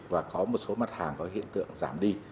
và có một số mặt hàng có hiện tượng giảm đi